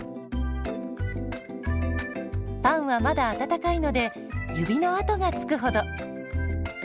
パンはまだ温かいので指の跡がつくほど。